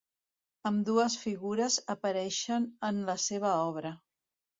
Ambdues figures apareixen en la seva obra.